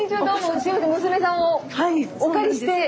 すいません娘さんをお借りして。